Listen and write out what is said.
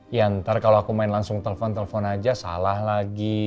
ya ntar kalau aku main langsung telpon telpon aja salah lagi